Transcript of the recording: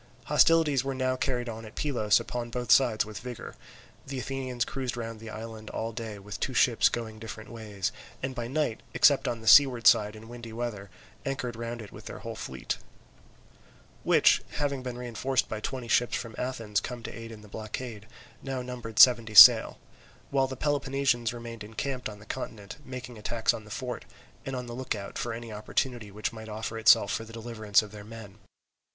Hostilities were now carried on at Pylos upon both sides with vigour. The Athenians cruised round the island all day with two ships going different ways; and by night, except on the seaward side in windy weather, anchored round it with their whole fleet, which, having been reinforced by twenty ships from Athens come to aid in the blockade, now numbered seventy sail; while the Peloponnesians remained encamped on the continent, making attacks on the fort, and on the look out for any opportunity which might offer itself for the deliverance of their men.